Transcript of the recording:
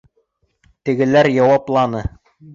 Тегеләр яуапланы: